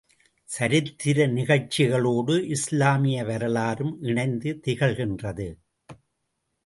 சரித்திர நிகழ்ச்சிகளோடு, இஸ்லாமிய வரலாறும் இணைந்து திகழ்கின்றது.